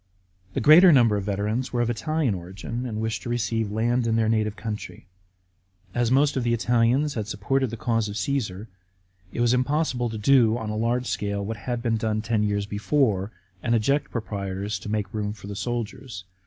The greater number of the veterans were of Italian origin, and wished to receive land in their native country. As most of the Italians had supported the cause of Cassar, it was impossible to do on a large scale what had been done ten years before, and eject proprietors to make room for the soldiers.